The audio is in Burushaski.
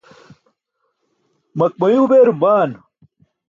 makmayuu beerum baan?